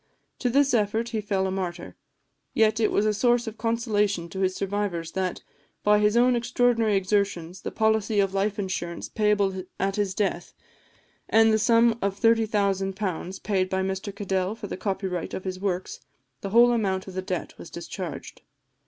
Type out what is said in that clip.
To this effort he fell a martyr; yet it was a source of consolation to his survivors, that, by his own extraordinary exertions, the policy of life insurance payable at his death, and the sum of £30,000 paid by Mr Cadell for the copyright of his works, the whole amount of the debt was discharged.